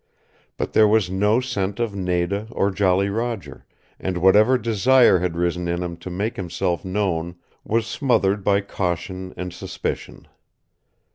But there was no scent of Nada or Jolly Roger, and whatever desire had risen in him to make himself known was smothered by caution and suspicion.